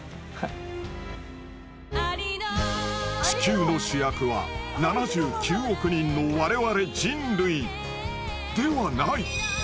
地球の主役は７９億人の我々人類ではない。